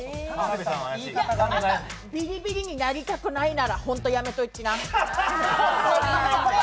ビリビリになりたくないなら、ほんとやめときな。